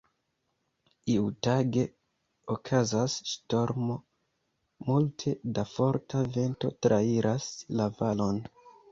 Iutage, okazas ŝtormo. Multe da forta vento trairas la valon.